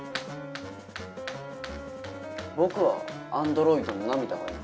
僕は「アンドロイドの涙」がいい。